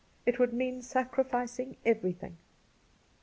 It would mean sacrificing everything.'